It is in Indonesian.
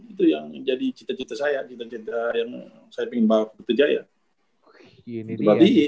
itu yang jadi cita cita saya cita cita yang saya ingin bawa ke putri jaya